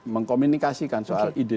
mengkomunikasikan soal ide